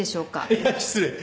いや失礼。